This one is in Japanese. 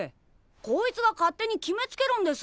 こいつが勝手に決めつけるんです。